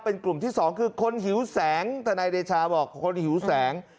เป็นกลุ่มที่สองคือคนหิวแสงทนายเดชาบอกคนหิวแสง